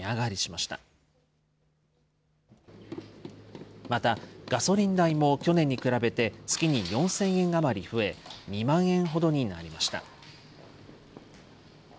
またガソリン代も去年に比べて月に４０００円余り増え、２万円ほどになりました。